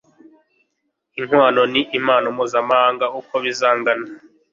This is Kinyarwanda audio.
inkwano n impano muzanyaka uko bizangana